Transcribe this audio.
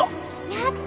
やった